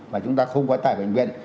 và chúng ta không có tải bệnh viện